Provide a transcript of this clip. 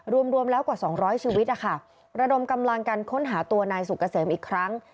รวมรวมแล้วกว่า๒๐๐ชีวิตนะคะระดมกำลังกันค้นหาตัวนายสุกเกษมอีกครั้ง